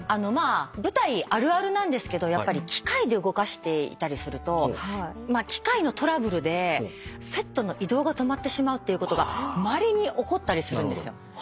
舞台あるあるなんですけど機械で動かしていたりすると機械のトラブルでセットの移動が止まってしまうっていうことがまれに起こったりするんですよ。